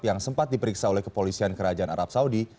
yang sempat diperiksa oleh kepolisian kerajaan arab saudi